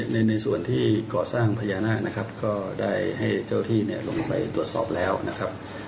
ในส่วนที่ก่อสร้างพญานาคนะครับก็ได้ให้เจ้าที่เนี่ยลงไปตรวจสอบแล้วนะครับ